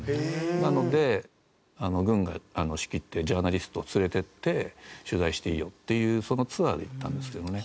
なので軍が仕切ってジャーナリストを連れて行って取材していいよっていうそのツアーで行ったんですけどね。